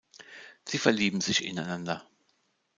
Sie verlieben sich ineinander.